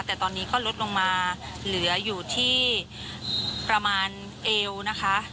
แต่ตอนนี้ก็ลดลงมาเหลืออยู่ที่ประมาณเอวนะคะ